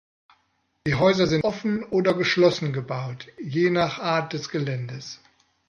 Die Häuser sind offen oder geschlossen gebaut, je nach Art des Geländes.